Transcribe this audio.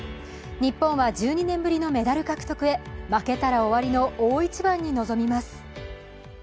日本は１２年ぶりのメダル獲得へ負けたら終わりの大一番に臨みます。